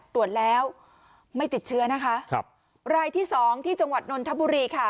ตรวจแล้วไม่ติดเชื้อนะคะครับรายที่สองที่จังหวัดนนทบุรีค่ะ